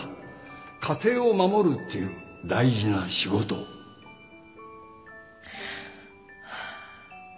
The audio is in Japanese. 家庭を守るっていう大事な仕事をハァ。